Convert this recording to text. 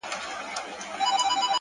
هره ناکامي د بیا هڅې درس دی!.